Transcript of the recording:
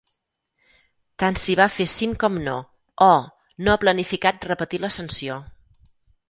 Tant si va fer cim com no, Oh no ha planificat repetir l'ascensió.